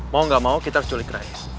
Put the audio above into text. mau gak mau kita harus culik rice